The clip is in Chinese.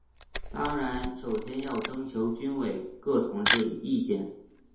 当然首先要征求军委各同志意见。